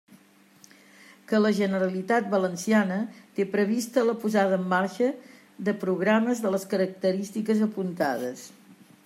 Que la Generalitat Valenciana té prevista la posada en marxa de programes de les característiques apuntades.